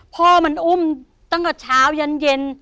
พ่อมันอุ้มตั้งแต่เช้ายันเย็น